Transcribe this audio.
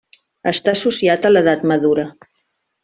Està associat a l'edat madura.